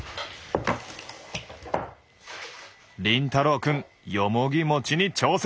凛太郎くんよもぎ餅に挑戦！